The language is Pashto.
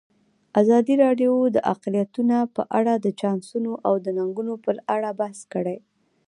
ازادي راډیو د اقلیتونه په اړه د چانسونو او ننګونو په اړه بحث کړی.